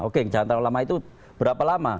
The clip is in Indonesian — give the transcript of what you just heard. oke jangan terlalu lama itu berapa lama